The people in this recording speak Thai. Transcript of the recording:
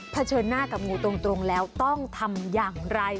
เฉินหน้ากับงูตรงแล้วต้องทำอย่างไร